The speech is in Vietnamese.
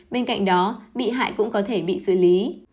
bên cạnh đó bị hại cũng có thể bị xử lý